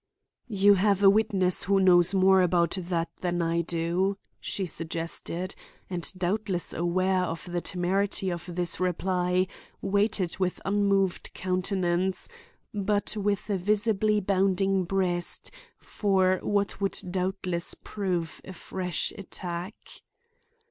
"You have a witness who knows more about that than I do," she suggested; and doubtless aware of the temerity of this reply, waited with unmoved countenance, but with a visibly bounding breast, for what would doubtless prove a fresh attack.